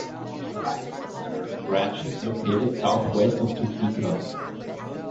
It rises in several branches located southwest of Topeka.